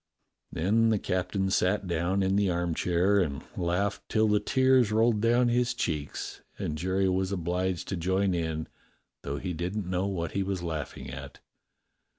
Then the captain sat down in the armchair and laughed till the tears rolled down his cheeks, and Jerry was obliged to join in, though he didn't know what he was laughing at.